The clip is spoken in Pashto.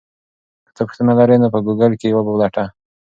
که ته پوښتنه لرې نو په ګوګل کې یې وپلټه.